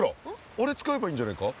あれ使えばいいんじゃないか？